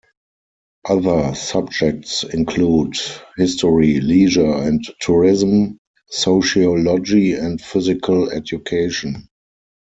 Other subjects include History, Leisure and Tourism, Sociology and Physical Education.